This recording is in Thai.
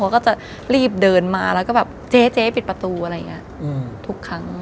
เขาก็จะรีบเดินมาแล้วก็แบบเจ๊ปิดประตูอะไรอย่างนี้ทุกครั้ง